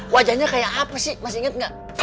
wajahnya kayak apa sih masih inget gak